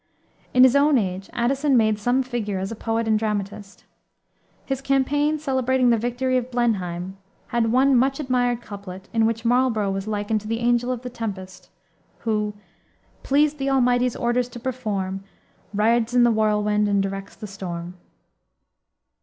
In his own age Addison made some figure as a poet and dramatist. His Campaign, celebrating the victory of Blenheim, had one much admired couplet, in which Marlborough was likened to the angel of tempest, who "Pleased the Almighty's orders to perform, Rides in the whirlwind and directs the storm."